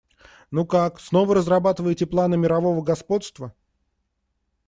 Ну как, снова разрабатываете планы мирового господства?